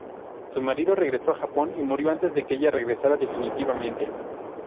Su marido regresó a Japón y murió antes de que ella regresara definitivamente.